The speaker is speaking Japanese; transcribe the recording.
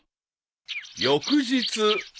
［翌日］